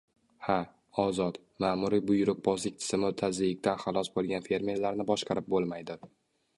Ha, ozod, ma’muriy buyruqbozlik tizimi tazyiqidan xalos bo‘lgan fermerlarni boshqarib bo‘lmaydi.